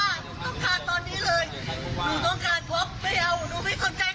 หนูต้องการตอนนี้เลยหนูต้องการพบไม่เอาหนูไม่สนใจใครแล้ว